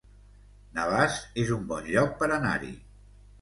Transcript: Navàs es un bon lloc per anar-hi